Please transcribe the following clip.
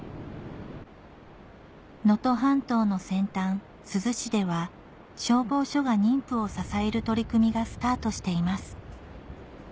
能登半島の先端珠洲市では消防署が妊婦を支える取り組みがスタートしています